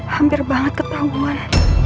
hampir banget ketangguhan